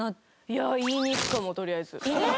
いや言いに行くかもとりあえず。